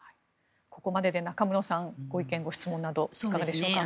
ここまでで中室さんご意見・ご質問などいかがでしょうか。